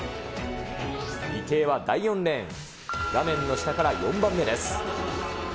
池江は第４レーン、画面の下から４番目です。